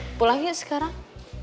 ehm pulang yuk sekarang